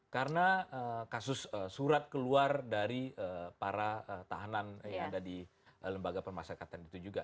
karena kasus surat keluar dari para tahanan yang ada di lembaga pemasarakatan itu juga